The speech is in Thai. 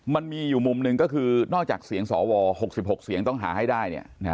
มันมีอยู่มุมหนึ่งก็คือนอกจากเสียงสว๖๖เสียงต้องหาให้ได้